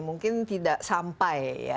mungkin tidak sampai